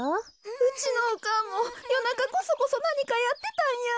うちのおかんもよなかこそこそなにかやってたんや。